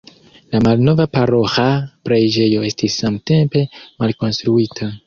La malnova paroĥa preĝejo estis samtempe malkonstruita.